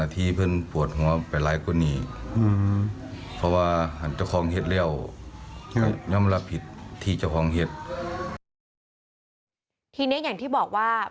ทีนี้อย่างที่บอกว่า